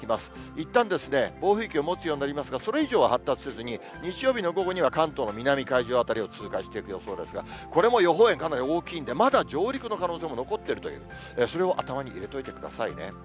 いったん暴風域を持つようになりますが、それ以上は発達せずに、日曜日の午後には、関東の上を通過していく予想ですが、これも予報円、かなり大きいんで、まだ上陸の可能性も残っているという、それも頭に入れておいてくださいね。